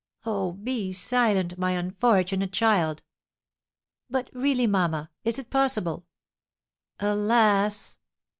"Oh, be silent, my unfortunate child!" "But really, mamma, is it possible?" "Alas!"